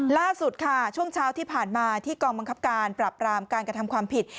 ล่าสุดค่ะช่วงเช้าที่ผ่านมาที่กองบังคับการปรับรามการกระทำความผิด